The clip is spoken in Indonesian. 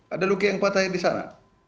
ada logika yang patah disana